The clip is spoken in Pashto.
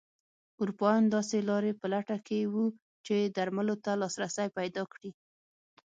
اروپایان داسې لارې په لټه کې وو چې درملو ته لاسرسی پیدا کړي.